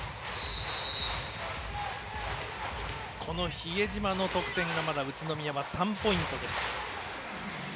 比江島の得点がまだ宇都宮は３ポイントです。